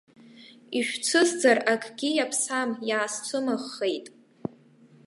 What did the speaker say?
Ишәцәызӡар акгьы иаԥсам, иаасцәымыӷхеит.